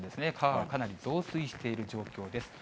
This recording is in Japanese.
川がかなり増水している状況です。